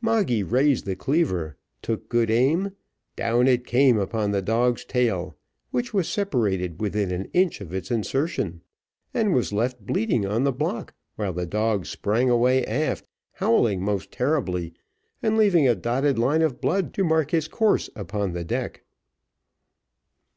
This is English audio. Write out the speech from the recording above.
Moggy raised the cleaver, took good aim down it came upon the dog's tail, which was separated within an inch of its insertion, and was left bleeding on the block, while the dog sprang away aft, howling most terribly, and leaving a dotted line of blood to mark his course upon the deck.